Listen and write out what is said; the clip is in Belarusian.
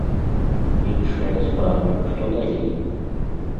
Іншая справа, што далей?